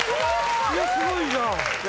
えっすごいじゃん！